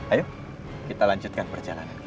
ayo kita lanjutkan perjalanan